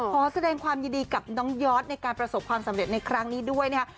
ขอแสดงความยินดีกับน้องยอดในการประสบความสำเร็จในครั้งนี้ด้วยนะครับ